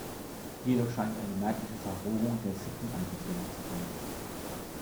Jedoch scheint eine merkliche Verrohung der Sitten eingetreten zu sein.